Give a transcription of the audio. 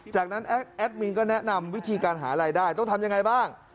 จากนั้นแอดมินก็แนะนำวิธีการหารายได้ต้องทำยังไงบ้าง